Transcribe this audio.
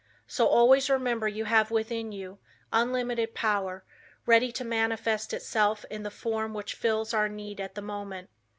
So always remember you have within you unlimited power, ready to manifest itself in the form which fills our need at the moment.